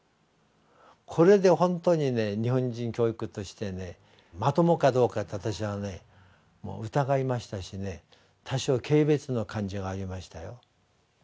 これでほんとに日本人教育としてまともかどうかって私はね疑いましたしね多少軽蔑の感情がありましたよ。